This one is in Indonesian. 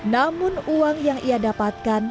namun uang yang ia dapatkan